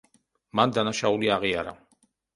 მან დანაშაული აღიარა.